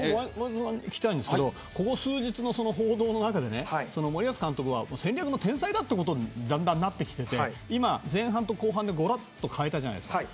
聞きたいんですけどここ数日の報道の中で森保監督は戦略の天才だということになってきていて今、前半と後半でごろっと変えたじゃないですか。